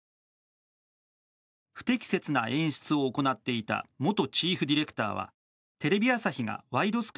不適切な演出を行っていた元チーフディレクターはテレビ朝日が「ワイド！